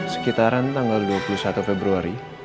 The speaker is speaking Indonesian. sekitaran tanggal dua puluh satu februari